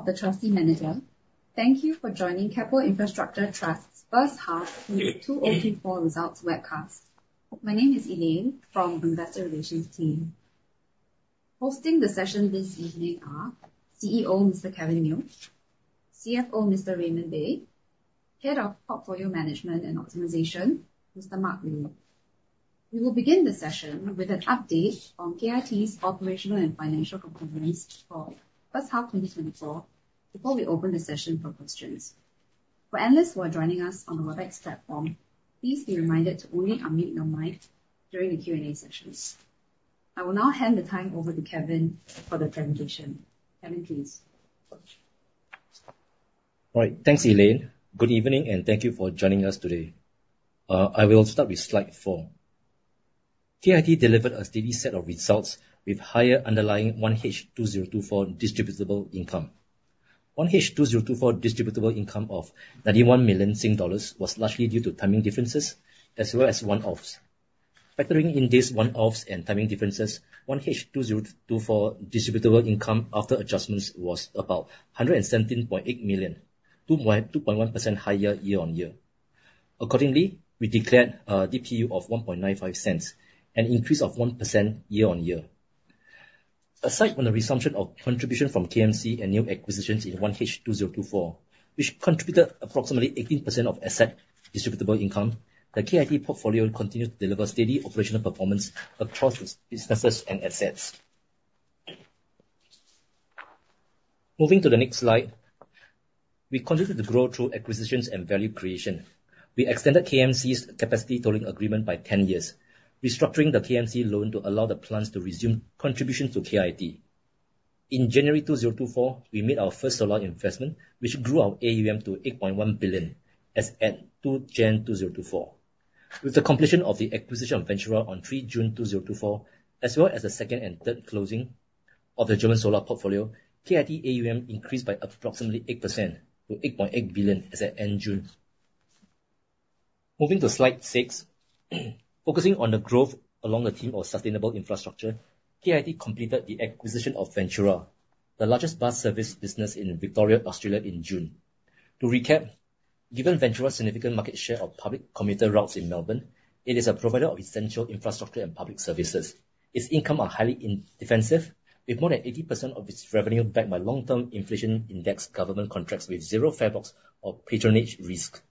On behalf of the trustee manager, thank you for joining Keppel Infrastructure Trust's first half year 2024 results webcast. My name is Elaine from Investor Relations team. Hosting the session this evening are CEO, Mr. Kevin Neo, CFO, Mr. Raymond Bay, Head of Portfolio Management and Optimization, Mr. Marc Liu. We will begin the session with an update on KIT's operational and financial components for first half 2024, before we open the session for questions. For analysts who are joining us on the Webex platform, please be reminded to only unmute your mic during the Q&A sessions. I will now hand the time over to Kevin for the presentation. Kevin, please. All right. Thanks, Elaine. Good evening, and thank you for joining us today. I will start with slide four. KIT delivered a steady set of results with higher underlying 1H 2024 distributable income. 1H 2024 distributable income of 91 million Sing dollars was largely due to timing differences as well as one-offs. Factoring in these one-offs and timing differences, 1H 2024 distributable income after adjustments was about 117.8 million, 2.1% higher year-on-year. Accordingly, we declared DPU of 0.0195, an increase of 1% year-on-year. Aside on the resumption of contribution from KMC and new acquisitions in 1H 2024, which contributed approximately 18% of asset distributable income, the KIT portfolio continues to deliver steady operational performance across its businesses and assets. Moving to the next slide. We continue to grow through acquisitions and value creation. We extended KMC's capacity tolling agreement by 10 years, restructuring the KMC loan to allow the plans to resume contribution to KIT. In January 2024, we made our first solar investment, which grew our AUM to 8.1 billion as at 2 January 2024. With the completion of the acquisition of Ventura on 3 June 2024, as well as the second and third closing of the German Solar Portfolio, KIT AUM increased by approximately 8% to 8.8 billion as at end June. Moving to slide six. Focusing on the growth along the theme of sustainable infrastructure, KIT completed the acquisition of Ventura, the largest bus service business in Victoria, Australia in June. To recap, given Ventura's significant market share of public commuter routes in Melbourne, it is a provider of essential infrastructure and public services. Its income are highly in defensive with more than 80% of its revenue backed by long-term inflation index government contracts with zero fare box or patronage risk.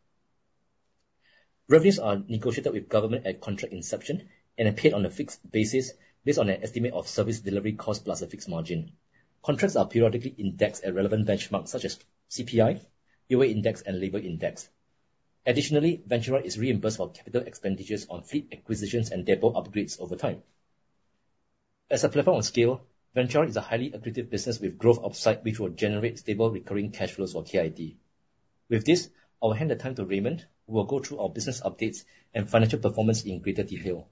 Revenues are negotiated with government at contract inception and are paid on a fixed basis based on an estimate of service delivery cost plus a fixed margin. Contracts are periodically indexed at relevant benchmarks such as CPI, UI] index and labor index. Additionally, Ventura is reimbursed for capital expenditures on fleet acquisitions and depot upgrades over time. As a platform of scale, Ventura is a highly accretive business with growth upside, which will generate stable recurring cash flows for KIT. With this, I will hand the time to Raymond, who will go through our business updates and financial performance in greater detail.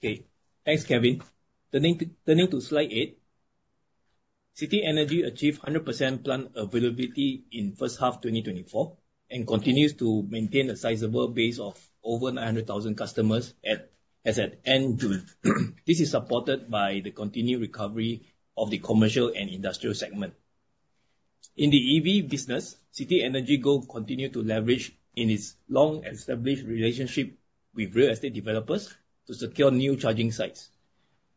Okay. Thanks, Kevin. Turning to slide eight. City Energy achieved 100% plant availability in first half 2024, and continues to maintain a sizable base of over 900,000 customers as at end June. This is supported by the continued recovery of the commercial and industrial segment. In the EV business, City Energy Go continue to leverage in its long-established relationship with real estate developers to secure new charging sites.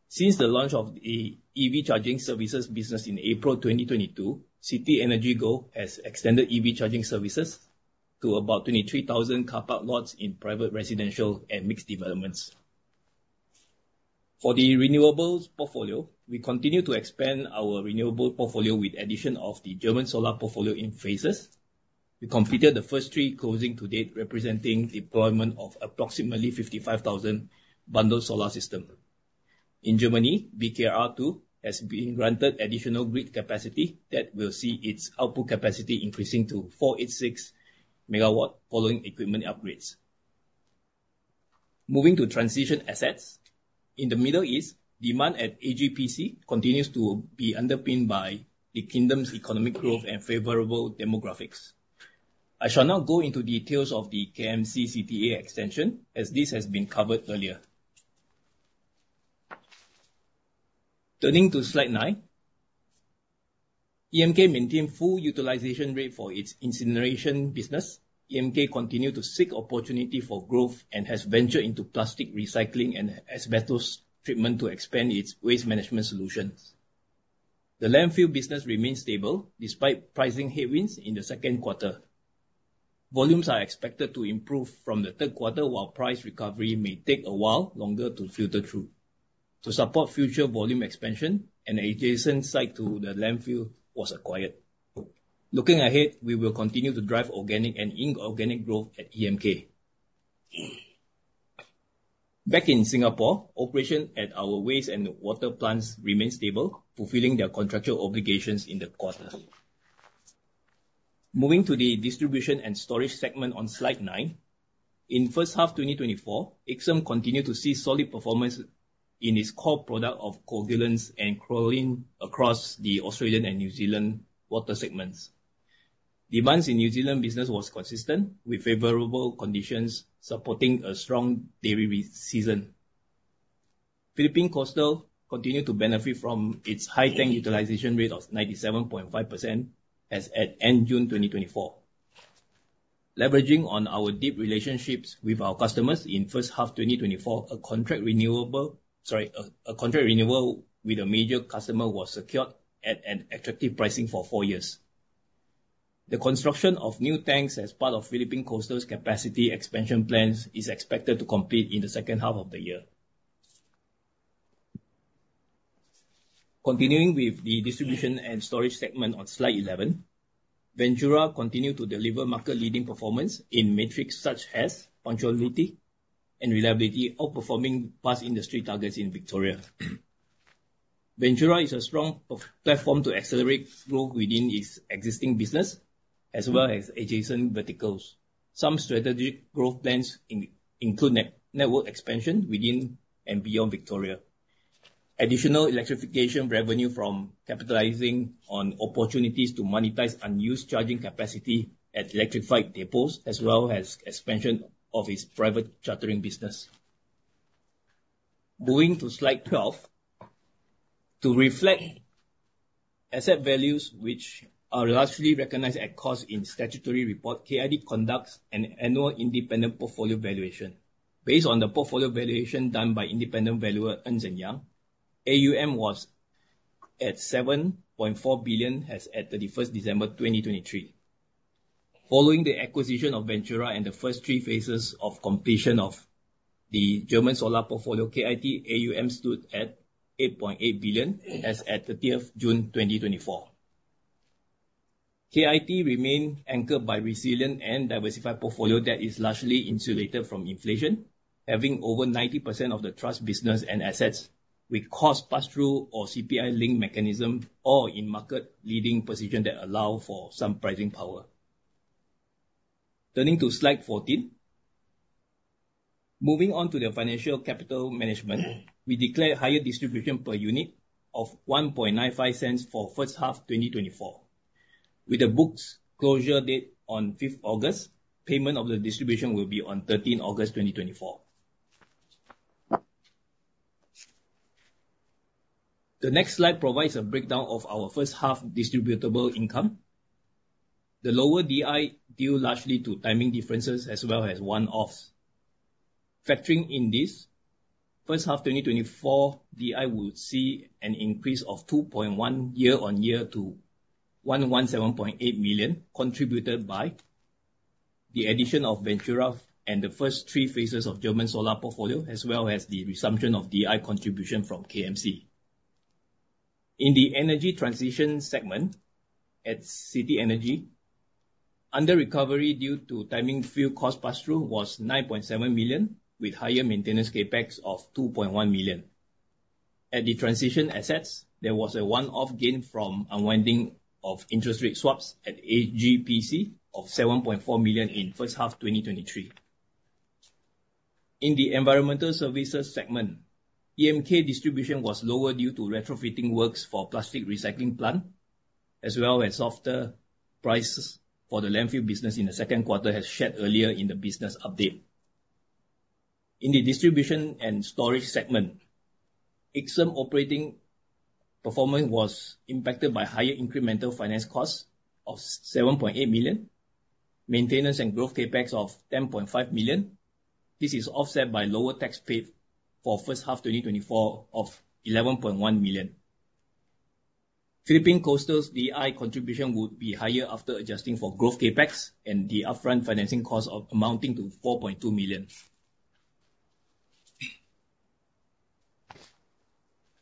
Since the launch of the EV charging services business in April 2022, City Energy Go has extended EV charging services to about 23,000 car park lots in private residential and mixed developments. For the renewables portfolio, we continue to expand our renewable portfolio with addition of the German Solar Portfolio in phases. We completed the first three closing to date, representing deployment of approximately 55,000 bundled solar system. In Germany, BKR2 has been granted additional grid capacity that will see its output capacity increasing to 486 MW following equipment upgrades. Moving to transition assets. In the Middle East, demand at AGPC continues to be underpinned by the kingdom's economic growth and favorable demographics. I shall now go into details of the KMC CTA extension as this has been covered earlier. Turning to slide nine. EMK maintained full utilization rate for its incineration business. EMK continued to seek opportunity for growth and has ventured into plastic recycling and asbestos treatment to expand its waste management solutions. The landfill business remains stable despite pricing headwinds in the second quarter. Volumes are expected to improve from the third quarter, while price recovery may take a while longer to filter through. To support future volume expansion, an adjacent site to the landfill was acquired. Looking ahead, we will continue to drive organic and inorganic growth at EMK. Back in Singapore, operation at our waste and water plants remain stable, fulfilling their contractual obligations in the quarter. Moving to the distribution and storage segment on slide nine. In first half 2024, Ixom continued to see solid performance in its core product of coagulants and chlorine across the Australian and New Zealand water segments. Demands in New Zealand business was consistent with favorable conditions supporting a strong dairy season. Philippine Coastal continued to benefit from its high tank utilization rate of 97.5% as at end June 2024. Leveraging on our deep relationships with our customers in first half 2024, sorry, a contract renewal with a major customer was secured at an attractive pricing for four years. The construction of new tanks as part of Philippine Coastal's capacity expansion plans is expected to complete in the second half of the year. Continuing with the distribution and storage segment on slide 11. Ventura continued to deliver market-leading performance in metrics such as punctuality and reliability, outperforming bus industry targets in Victoria. Ventura is a strong platform to accelerate growth within its existing business as well as adjacent verticals. Some strategic growth plans include network expansion within and beyond Victoria. Additional electrification revenue from capitalizing on opportunities to monetize unused charging capacity at electrified depots as well as expansion of its private chartering business. Moving to slide 12. To reflect asset values which are largely recognized at cost in statutory report, KIT conducts an annual independent portfolio valuation. Based on the portfolio valuation done by independent valuer, Ernst & Young, AUM was at 7.4 billion as at 31st December 2023. Following the acquisition of Ventura and the first three phases of completion of the German Solar Portfolio, KIT AUM stood at 8.8 billion as at 30th June 2024. KIT remain anchored by resilient and diversified portfolio that is largely insulated from inflation, having over 90% of the trust business and assets with cost pass-through or CPI-linked mechanism or in market-leading position that allow for some pricing power. Turning to slide 14. Moving on to the financial capital management, we declare higher distribution per unit of 0.0195 for first half 2024. With the books closure date on 5th August, payment of the distribution will be on 13th August 2024. The next slide provides a breakdown of our first half distributable income. The lower DI due largely to timing differences as well as one-offs. Factoring in this, first half 2024 DI would see an increase of 2.1% year-on-year to 117.8 million contributed by the addition of Ventura and the first three phases of German Solar Portfolio, as well as the resumption of DI contribution from KMC. In the energy transition segment at City Energy, under recovery due to timing fuel cost pass-through was 9.7 million with higher maintenance CapEx of 2.1 million. At the transition assets, there was a one-off gain from unwinding of interest rate swaps at AGPC of 7.4 million in first half 2023. In the environmental services segment, EMK distribution was lower due to retrofitting works for plastic recycling plant, as well as softer prices for the landfill business in the second quarter as shared earlier in the business update. In the distribution and storage segment, Ixom operating performance was impacted by higher incremental finance costs of 7.8 million, maintenance and growth CapEx of 10.5 million. This is offset by lower tax paid for first half 2024 of 11.1 million. Philippine Coastal's DI contribution would be higher after adjusting for growth CapEx and the upfront financing cost of amounting to 4.2 million.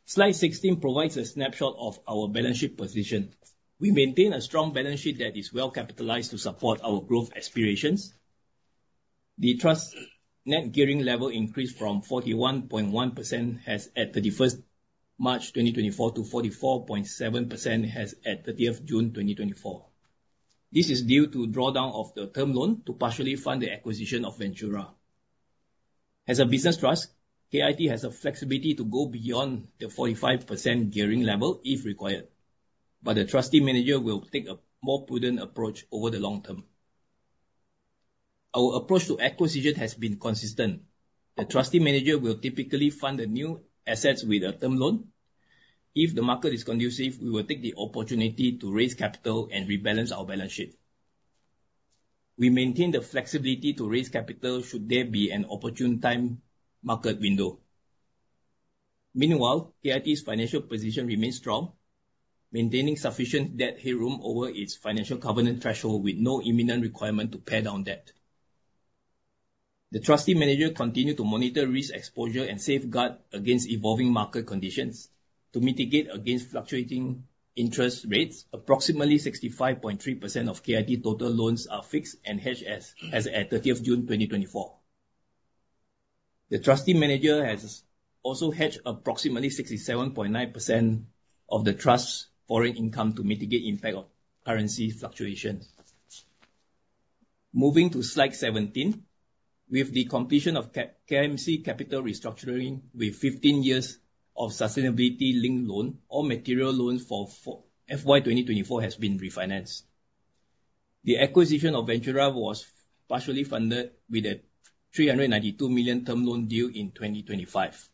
Slide 16 provides a snapshot of our balance sheet position. We maintain a strong balance sheet that is well-capitalized to support our growth aspirations. The trust net gearing level increased from 41.1% as at 31st March 2024 to 44.7% as at 30th June 2024. This is due to drawdown of the term loan to partially fund the acquisition of Ventura. As a business trust, KIT has the flexibility to go beyond the 45% gearing level if required, but the trustee manager will take a more prudent approach over the long term. Our approach to acquisition has been consistent. The trustee manager will typically fund the new assets with a term loan. If the market is conducive, we will take the opportunity to raise capital and rebalance our balance sheet. We maintain the flexibility to raise capital should there be an opportune time market window. Meanwhile, KIT's financial position remains strong, maintaining sufficient debt headroom over its financial covenant threshold with no imminent requirement to pay down debt. The trustee manager continue to monitor risk exposure and safeguard against evolving market conditions. To mitigate against fluctuating interest rates, approximately 65.3% of KIT total loans are fixed and hedged as at 30 June 2024. The trustee manager has also hedged approximately 67.9% of the trust's foreign income to mitigate impact of currency fluctuations. Moving to slide 17. With the completion of KMC capital restructuring with 15 years of sustainability-linked loan, all material loans for FY 2024 has been refinanced. The acquisition of Ventura was partially funded with a 392 million term loan due in 2025.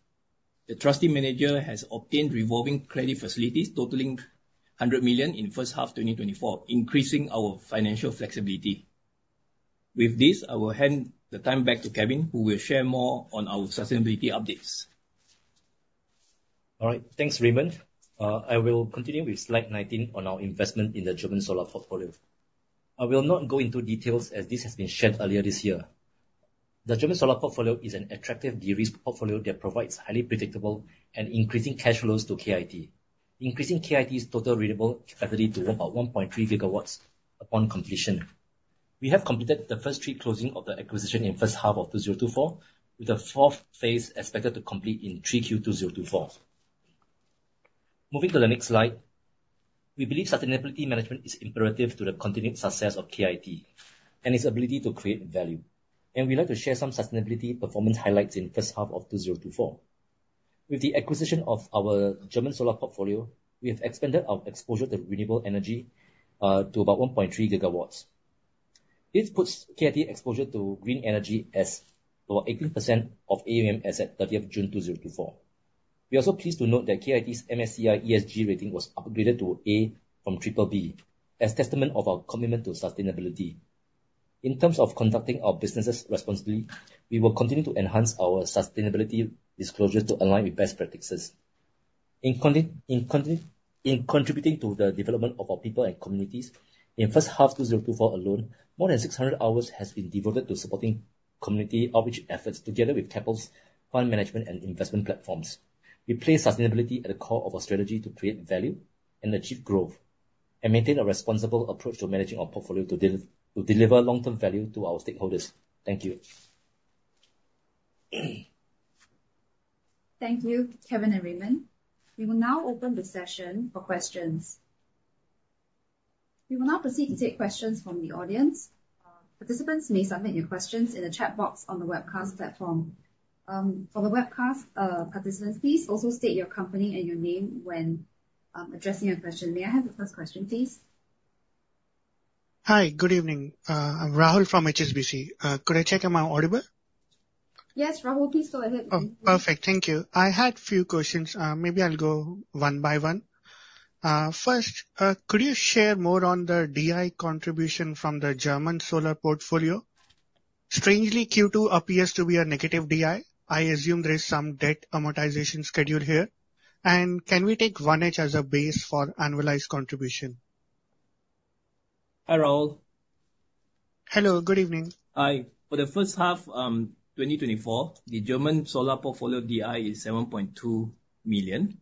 The trustee manager has obtained revolving credit facilities totaling 100 million in first half 2024, increasing our financial flexibility. With this, I will hand the time back to Kevin, who will share more on our sustainability updates. All right. Thanks, Raymond. I will continue with slide 19 on our investment in the German Solar Portfolio. I will not go into details as this has been shared earlier this year. The German Solar Portfolio is an attractive de-risked portfolio that provides highly predictable and increasing cash flows to KIT, increasing KIT's total renewable capacity to about 1.3 GW upon completion. We have completed the first three closing of the acquisition in first half of 2024, with the fourth phase expected to complete in 3Q 2024. Moving to the next slide. We believe sustainability management is imperative to the continued success of KIT and its ability to create value. We'd like to share some sustainability performance highlights in first half of 2024. With the acquisition of our German Solar Portfolio, we have expanded our exposure to renewable energy, to about 1.3 GW. This puts KIT exposure to green energy as about 18% of AUM as at 30th June 2024. We are also pleased to note that KIT's MSCI ESG rating was upgraded to A from BBB as testament of our commitment to sustainability. In terms of conducting our businesses responsibly, we will continue to enhance our sustainability disclosures to align with best practices. In contributing to the development of our people and communities, in first half 2024 alone, more than 600 hours has been devoted to supporting community outreach efforts together with Keppel's fund management and investment platforms. We place sustainability at the core of our strategy to create value and achieve growth, and maintain a responsible approach to managing our portfolio to deliver long-term value to our stakeholders. Thank you. Thank you, Kevin and Raymond. We will now open the session for questions. We will now proceed to take questions from the audience. Participants may submit your questions in the chat box on the webcast platform. For the webcast, participants please also state your company and your name when addressing your question. May I have the first question, please? Hi. Good evening. I'm Rahul from HSBC. Could I check, am I audible? Yes, Rahul, please go ahead. Oh, perfect. Thank you. I had few questions. Maybe I'll go one by one. First, could you share more on the DI contribution from the German Solar Portfolio? Strangely, Q2 appears to be a negative DI. I assume there is some debt amortization schedule here. Can we take 1H as a base for annualized contribution? Hi, Rahul. Hello, good evening. Hi. For the first half, 2024, the German Solar Portfolio DI is 7.2 million.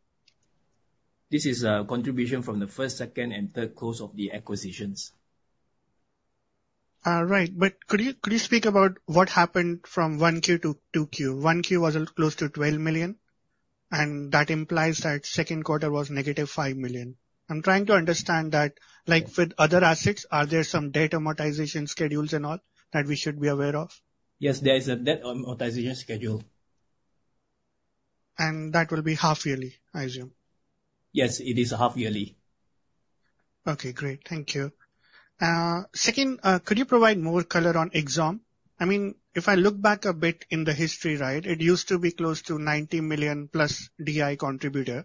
This is a contribution from the first, second and third quarters of the acquisitions. Right. Could you speak about what happened from 1Q to 2Q? 1Q was close to 12 million, that implies that 2Q was -5 million. I'm trying to understand that, like with other assets, are there some debt amortization schedules and all that we should be aware of? Yes, there is a debt amortization schedule. That will be half-yearly, I assume. Yes, it is half-yearly. Okay, great. Thank you. Second, could you provide more color on Ixom? I mean, if I look back a bit in the history, right, it used to be close to 90 million+ DI contributor.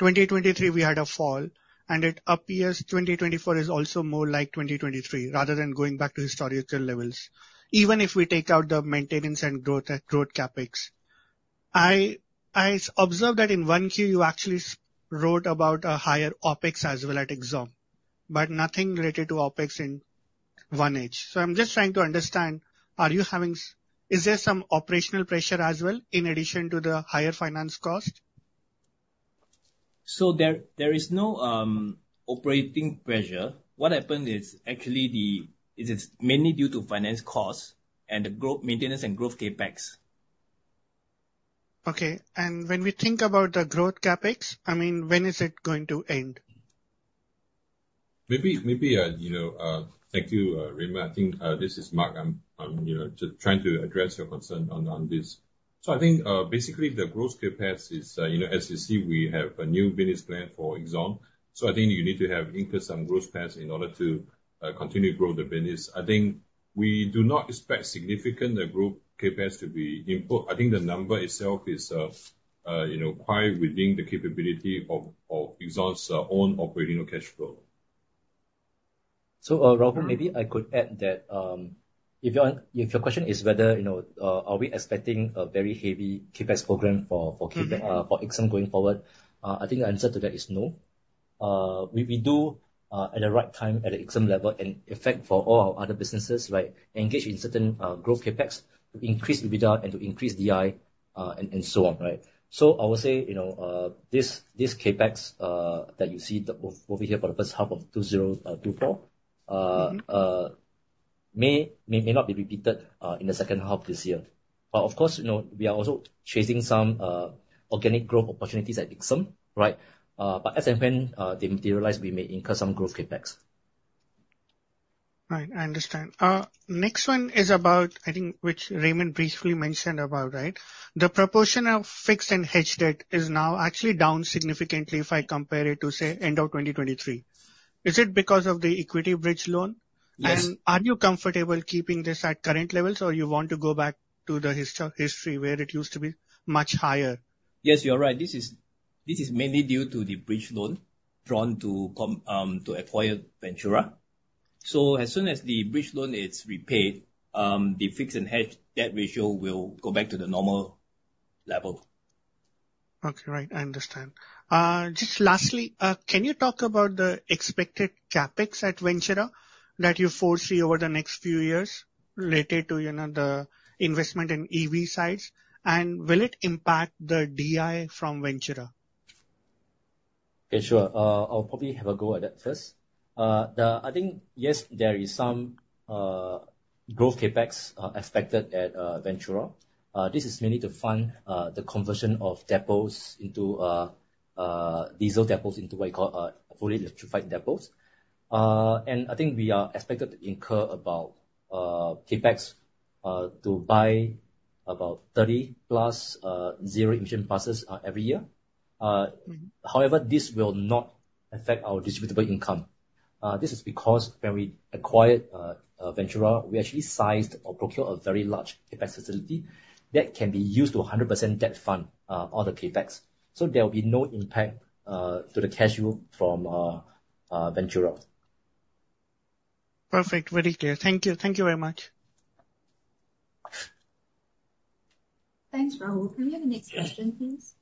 2023, we had a fall. It appears 2024 is also more like 2023 rather than going back to historical levels, even if we take out the maintenance and growth CapEx. I observed that in 1Q, you actually wrote about a higher OpEx as well at Ixom, nothing related to OpEx in 1H. I'm just trying to understand, is there some operational pressure as well in addition to the higher finance cost? There is no operating pressure. What happened is actually it's mainly due to finance costs and the growth, maintenance and growth CapEx. Okay. When we think about the growth CapEx, I mean, when is it going to end? Maybe, maybe, you know, Thank you, Raymond. I think, this is Marc. I'm, you know, just trying to address your concern on this. I think, basically the growth CapEx is, you know, as you see, we have a new business plan for Ixom. I think you need to have increase on growth paths in order to continue to grow the business. I think we do not expect significant growth CapEx to be input. I think the number itself is, you know, quite within the capability of Ixom's own operational cash flow. Rahul, maybe I could add that if your, if your question is whether, you know, are we expecting a very heavy CapEx program for Ixom going forward, I think the answer to that is no. We do at the right time, at the Ixom level, in effect for all our other businesses, right, engage in certain growth CapEx to increase EBITDA and to increase DI and so on. Right? I would say, you know, this CapEx that you see over here for the first half of 2024 may not be repeated in the second half this year. Of course, you know, we are also chasing some organic growth opportunities at Ixom, right? As and when they materialize, we may incur some growth CapEx. Right, I understand. Next one is about, I think, which Raymond briefly mentioned about, right? The proportion of fixed and hedged debt is now actually down significantly if I compare it to, say, end of 2023. Is it because of the equity bridge loan? Yes. Are you comfortable keeping this at current levels or you want to go back to the history where it used to be much higher? Yes, you are right. This is mainly due to the bridge loan drawn to acquire Ventura. As soon as the bridge loan is repaid, the fixed and hedged debt ratio will go back to the normal level. Okay. Right. I understand. Just lastly, can you talk about the expected CapEx at Ventura that you foresee over the next few years related to, you know, the investment in EV sites, and will it impact the DI from Ventura? Yeah, sure. I'll probably have a go at that first. I think yes, there is some growth CapEx expected at Ventura. This is mainly to fund the conversion of depots into diesel depots into what you call fully electrified depots. I think we are expected to incur about CapEx to buy about 30+ zero emission buses every year. However, this will not affect our distributable income. This is because when we acquired Ventura, we actually sized or procured a very large CapEx facility that can be used to 100% debt fund all the CapEx. There will be no impact to the cash flow from Ventura. Perfect. Very clear. Thank you. Thank you very much. Thanks, Rahul. Can we have the next question, please?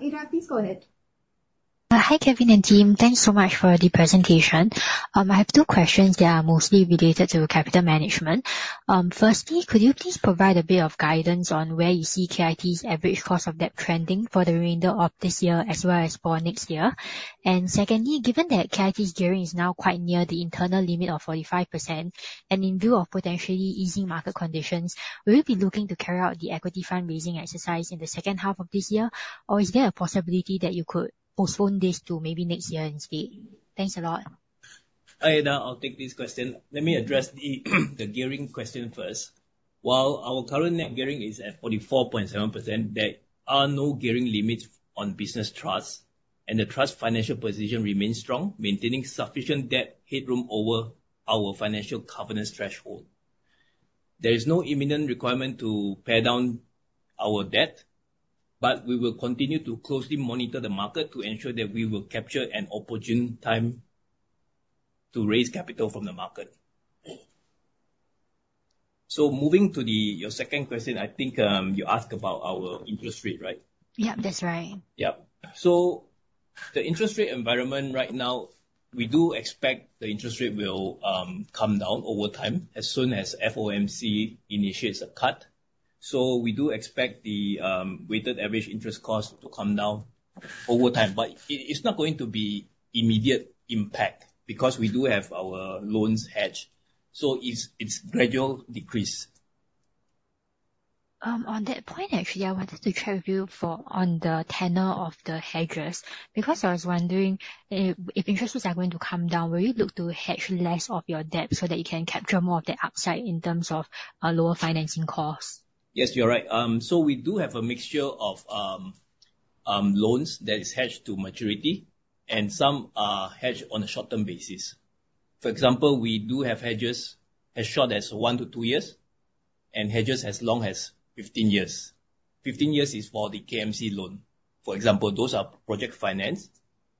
Ada, please go ahead. Hi, Kevin and team. Thanks so much for the presentation. I have two questions that are mostly related to capital management. Firstly, could you please provide a bit of guidance on where you see KIT's average cost of debt trending for the remainder of this year as well as for next year? Secondly, given that KIT's gearing is now quite near the internal limit of 45%, and in view of potentially easing market conditions, will you be looking to carry out the equity fundraising exercise in the second half of this year, or is there a possibility that you could postpone this to maybe next year instead? Thanks a lot. Hi, Ada. I'll take this question. Let me address the gearing question first. While our current net gearing is at 44.7%, there are no gearing limits on business trusts, and the trust financial position remains strong, maintaining sufficient debt headroom over our financial covenants threshold. There is no imminent requirement to pay down our debt, but we will continue to closely monitor the market to ensure that we will capture an opportune time to raise capital from the market. Moving to your second question, I think you ask about our interest rate, right? Yeah, that's right. Yeah. The interest rate environment right now, we do expect the interest rate will come down over time as soon as FOMC initiates a cut. We do expect the weighted average interest cost to come down over time. It's not going to be immediate impact because we do have our loans hedged. It's gradual decrease. On that point, actually, I wanted to check with you for on the tenor of the hedges, because I was wondering if interest rates are going to come down, will you look to hedge less of your debt so that you can capture more of the upside in terms of lower financing costs? Yes, you're right. We do have a mixture of loans that is hedged to maturity and some are hedged on a short-term basis. For example, we do have hedges as short as one-two years, and hedges as long as 15 years. 15 years is for the KMC loan. For example, those are project finance.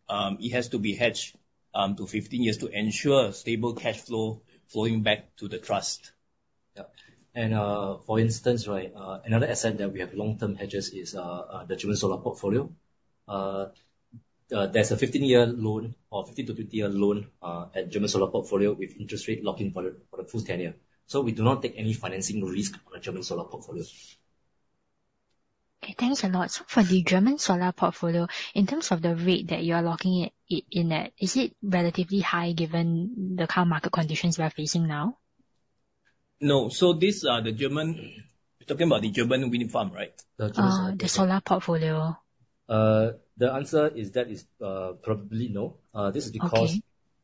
It has to be hedged to 15 years to ensure stable cash flow flowing back to the trust. Yeah. For instance, right, another asset that we have long-term hedges is the German Solar Portfolio. There's a 15-year loan or 15-20-year loan at German Solar Portfolio with interest rate locked in for the full tenure. We do not take any financing risk on the German Solar Portfolio. Okay, thanks a lot. For the German Solar Portfolio, in terms of the rate that you are locking it in at, is it relatively high given the current market conditions we are facing now? No. You're talking about the German wind farm, right? The Solar Portfolio. The answer is that is, probably no. Okay.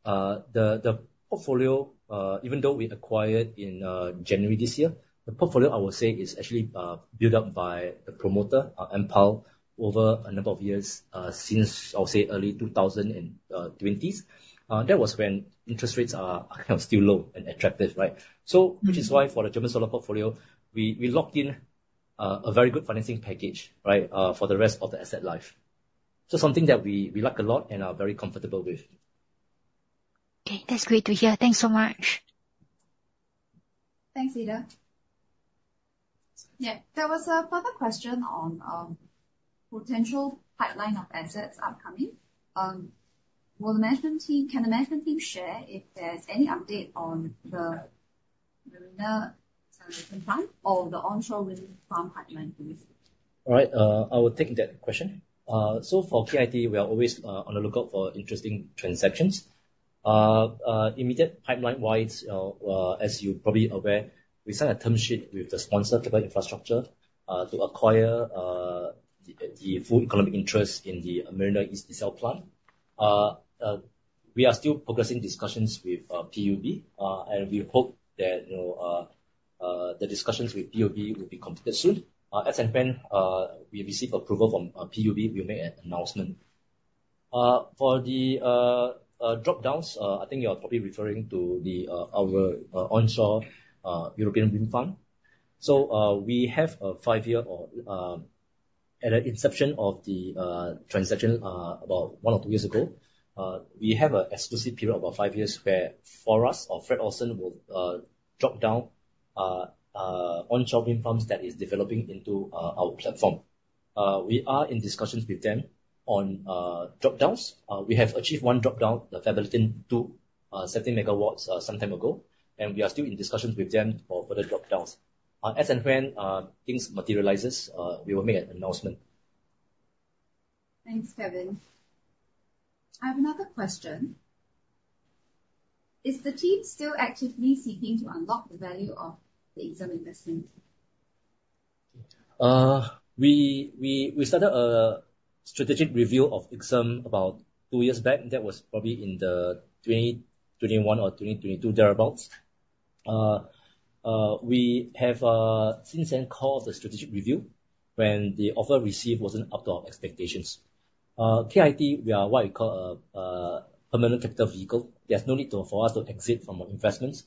The portfolio, even though we acquired in January this year, the portfolio I would say is actually built up by the promoter, Enpal over a number of years, since I'll say early 2020s. That was when interest rates are kind of still low and attractive, right? Which is why for the German Solar Portfolio, we locked in a very good financing package, for the rest of the asset life. Something that we like a lot and are very comfortable with. Okay. That's great to hear. Thanks so much. Thanks, Ada. Yeah, there was a further question on potential pipeline of assets upcoming. Can the management team share if there's any update on the renewable generation plan or the onshore wind farm pipeline, please? All right, I will take that question. So for KIT, we are always on the lookout for interesting transactions. Immediate pipeline-wise, as you're probably aware, we signed a term sheet with the sponsor to build infrastructure to acquire the full economic interest in the Marina East Desal Plant. We are still progressing discussions with PUB, and we hope that, you know, the discussions with PUB will be completed soon. As and when we receive approval from PUB, we'll make an announcement. For the drop-downs, I think you are probably referring to our onshore European green fund. We have a five-year or at the inception of the transaction about one or two years ago. We have a exclusive period of about five years where for us, or Fred Olsen will drop down onshore wind farms that is developing into our platform. We are in discussions with them on drop-downs. We have achieved one drop-down, the Fäbodliden II, 70 MW, some time ago, and we are still in discussions with them for further drop-downs. As and when things materializes, we will make an announcement. Thanks, Kevin. I have another question. Is the team still actively seeking to unlock the value of the Ixom investment? We started a strategic review of Ixom about two years back. That was probably in 2021 or 2022, thereabouts. We have since then called a strategic review when the offer received wasn't up to our expectations. KIT, we are what you call a permanent capital vehicle. There's no need for us to exit from our investments.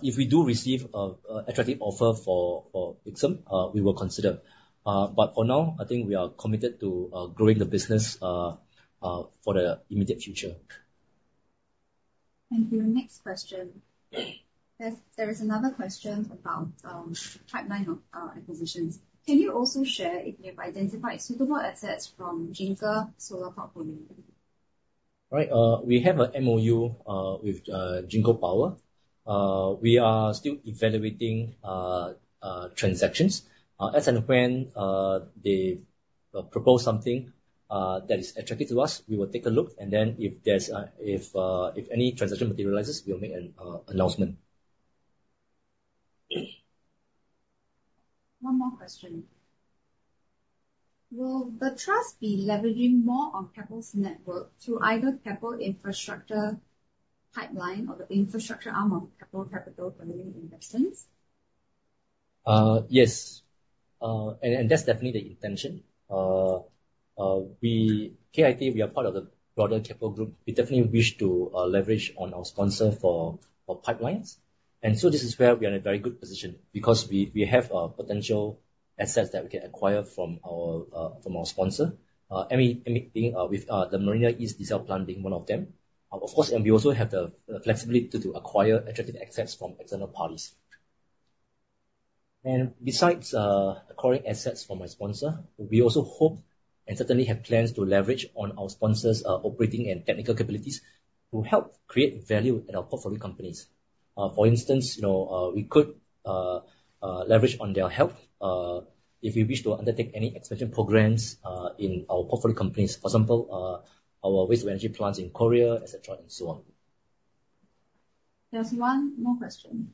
If we do receive a attractive offer for Ixom, we will consider. For now, I think we are committed to growing the business for the immediate future. Thank you. Next question. There is another question about pipeline acquisitions. Can you also share if you've identified suitable assets from Jinko solar portfolio? Right. We have a MOU with Jinko Power. We are still evaluating transactions. As and when they propose something that is attractive to us, we will take a look. If any transaction materializes, we'll make an announcement. One more question. Will the trust be leveraging more on Keppel's network through either Keppel Infrastructure pipeline or the infrastructure arm of Keppel Capital Permanent Investments? Yes. That's definitely the intention. KIT, we are part of the broader Keppel Group. We definitely wish to leverage on our sponsor for pipelines. This is where we are in a very good position because we have potential assets that we can acquire from our sponsor. ME being with the Marina East Desal Plant being one of them. Of course, we also have the flexibility to acquire attractive assets from external parties. Besides acquiring assets from our sponsor, we also hope and certainly have plans to leverage on our sponsor's operating and technical capabilities to help create value in our portfolio companies. For instance, you know, we could leverage on their help, if we wish to undertake any expansion programs, in our portfolio companies. For example, our waste-to-energy plants in Korea, et cetera, and so on. There's one more question.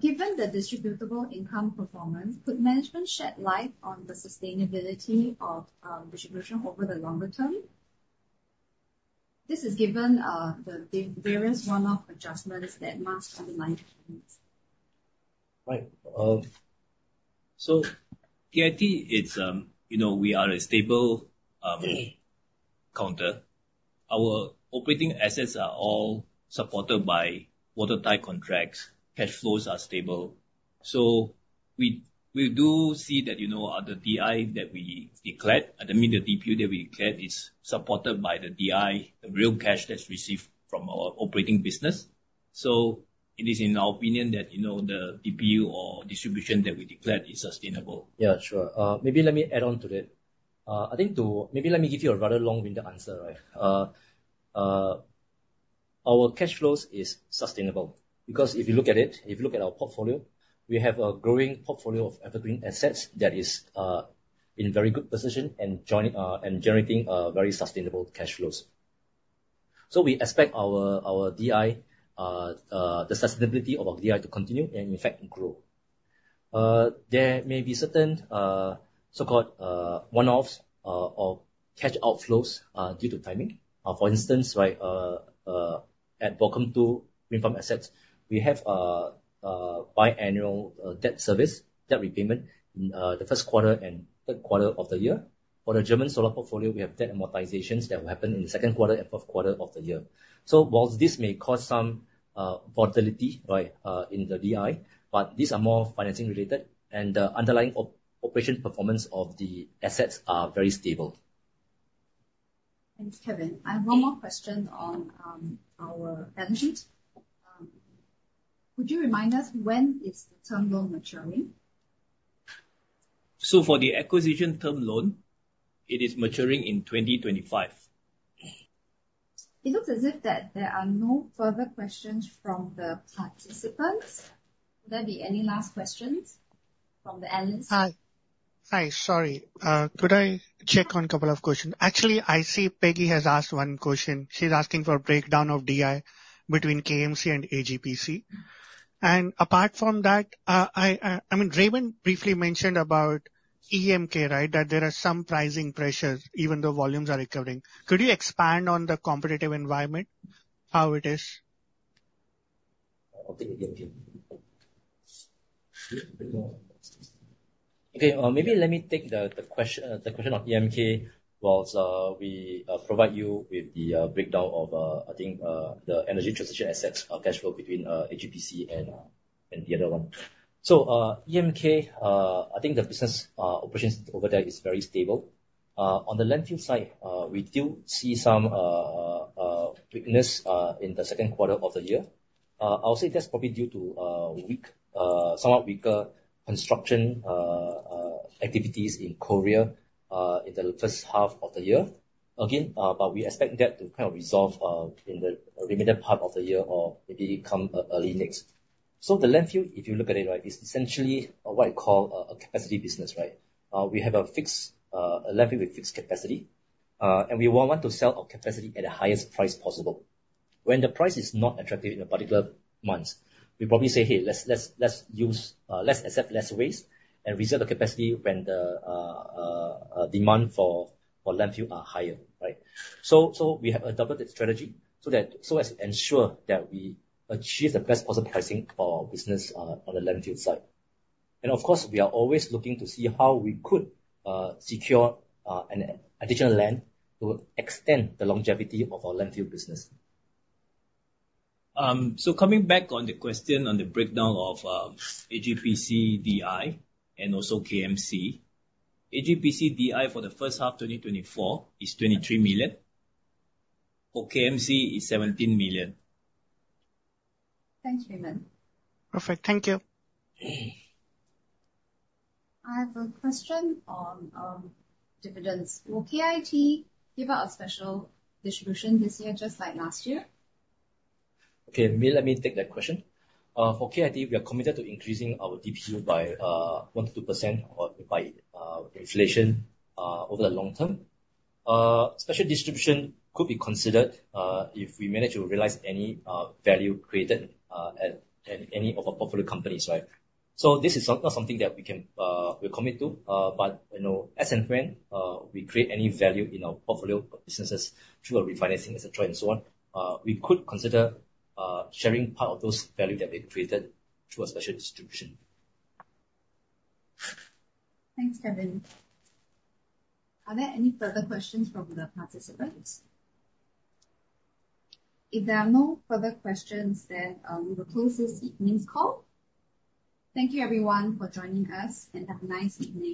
Given the distributable income performance, could management shed light on the sustainability of distribution over the longer term? This is given the various one-off adjustments that mask underlying trends. Right. KIT, it's, you know, we are a stable counter. Our operating assets are all supported by watertight contracts. Cash flows are stable. We do see that, you know, the DI that we declared, I mean, the DPU that we declared is supported by the DI, the real cash that's received from our operating business. It is in our opinion that, you know, the DPU or distribution that we declared is sustainable. Yeah, sure. Maybe let me add on to that. I think Maybe let me give you a rather long-winded answer, right? Our cash flows is sustainable because if you look at it, if you look at our portfolio, we have a growing portfolio of evergreen assets that is in very good position and join and generating very sustainable cash flows. We expect our DI, the sustainability of our DI to continue and in fact grow. There may be certain, so-called, one-offs, or cash outflows, due to timing. For instance, right, at Borkum 2 wind farm assets, we have biannual debt service, debt repayment in the first quarter and third quarter of the year. For the German Solar Portfolio, we have debt amortizations that will happen in the second quarter and fourth quarter of the year. Whilst this may cause some volatility, right, in the DI, but these are more financing related and the underlying operation performance of the assets are very stable. Thanks, Kevin. I have one more question on our balance sheet. Would you remind us when is the term loan maturing? For the acquisition term loan, it is maturing in 2025. It looks as if that there are no further questions from the participants. Will there be any last questions from the analysts? Hi. Hi, sorry. Could I check on couple of questions? Actually, I see Peggy has asked one question. She's asking for a breakdown of DI between KMC and AGPC. Apart from that, I mean, Raymond briefly mentioned about EMK, right? That there are some pricing pressures even though volumes are recovering. Could you expand on the competitive environment, how it is? I'll take EMK. Maybe let me take the question on EMK, whilst we provide you with the breakdown of the energy transition assets cash flow between AGPC and the other one. EMK, I think the business operations over there is very stable. On the landfill site, we do see some weakness in the second quarter of the year. I'll say that's probably due to weak, somewhat weaker construction activities in Korea in the first half of the year. Again, we expect that to kind of resolve in the remaining part of the year or maybe come early next. The landfill, if you look at it, right, is essentially what you call a capacity business, right? We have a fixed landfill with fixed capacity, and we will want to sell our capacity at the highest price possible. When the price is not attractive in a particular month, we probably say, "Hey, let's use, let's accept less waste and reserve the capacity when the demand for landfill are higher." Right? We have adopted that strategy so as to ensure that we achieve the best possible pricing for our business on the landfill site. Of course, we are always looking to see how we could secure an additional land to extend the longevity of our landfill business. Coming back on the question on the breakdown of AGPC DI and also KMC. AGPC DI for the first half 2024 is 23 million. For KMC is 17 million. Thank you, Raymond. Perfect. Thank you. I have a question on dividends. Will KIT give out a special distribution this year just like last year? Okay. Let me take that question. For KIT, we are committed to increasing our DPU by 1%-2% or by inflation over the long term. Special distribution could be considered if we manage to realize any value created at any of our portfolio companies, right? This is not something that we can commit to, but, you know, as and when we create any value in our portfolio businesses through a refinancing, et cetera, and so on, we could consider sharing part of those value that we've created through a special distribution. Thanks, Kevin. Are there any further questions from the participants? If there are no further questions, we will close this evening's call. Thank you, everyone, for joining us, and have a nice evening.